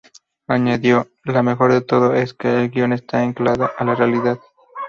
Añadió, "Lo mejor de todo es que el guion está anclado en la realidad.